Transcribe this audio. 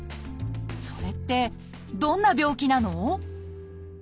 それってどんな病気なの？